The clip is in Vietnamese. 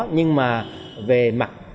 nhưng mà về mặt